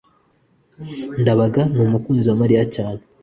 ndabaga ni umukunzi wa mariya cyane